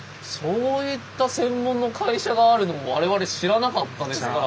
そういった専門の会社があるのも我々知らなかったですから。